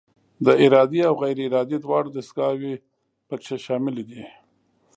دا ارادي او غیر ارادي دواړه دستګاوې پکې شاملې دي.